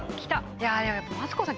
いやでもやっぱマツコさん